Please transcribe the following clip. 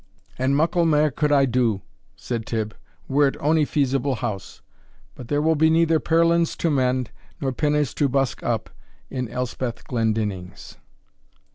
"And muckle mair could I do," said Tibb, "were it ony feasible house; but there will be neither pearlins to mend, nor pinners to busk up, in Elspeth Glendinning's."